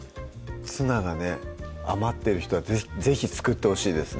ツナがね余ってる人は是非作ってほしいですね